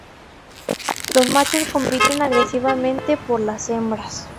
Los machos compiten agresivamente por las hembras.